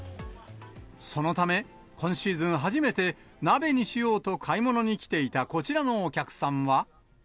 そのため、今シーズン初めて鍋にしようと買い物に来ていたこちらのお客さんは。